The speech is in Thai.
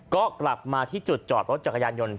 ก็กลับมาที่จุดจอดรถจักรยานยนต์